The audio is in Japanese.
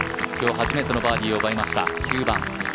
今日、初めてのバーディーを奪いました、９番。